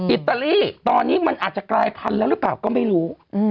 อิตาลีตอนนี้มันอาจจะกลายพันธุ์แล้วหรือเปล่าก็ไม่รู้